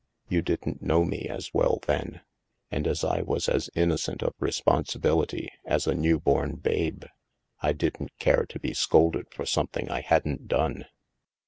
You didn't know me as well then. And as I was as innocent of re sponsibility as a new born babe, I didn't care to be scolded for something I hadn't done."